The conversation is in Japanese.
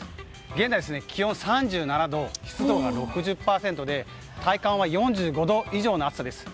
現在、気温は３７度湿度が６０％で体感は４５度以上の暑さです。